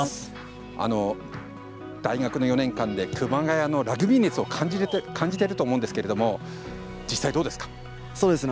大学の４年間で熊谷のラグビー熱を感じていると思いますが実際どうですか。